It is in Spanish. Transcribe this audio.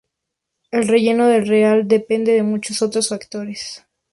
El relleno real depende de muchos otros factores.